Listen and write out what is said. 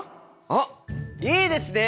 あっいいですね。